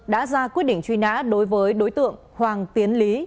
đã ra quyết định truy nã đối với đối tượng hoàng tiến lý